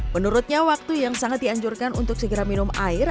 menurutnya waktu yang sangat dianjurkan untuk segera minum air